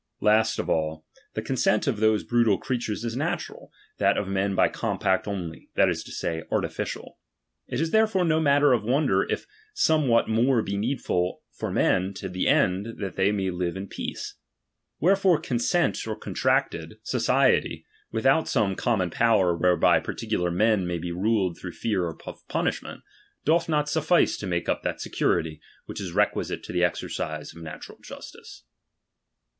Last of all, the consent of those brutal creatures is natural ; that L^Lof men by compact only, that is to say, artificial. ^^■Itis therefore no matter of wonder, if somewhat " more be needful for men to the end they may live in peace. Wherefore consent or contracted so L 68 DOMINION. ciety, without some common power whereby par ticular men may he niled through fear of punish— meut, doth not suffice to make up that security, which is requisite to the exercise of natural jus tice.